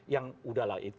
yang sudah lah itu